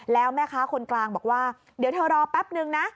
แล้วแม่ค้าคนกลางบอกว่าเดี๋ยวเธอรอแป๊บนึงนะ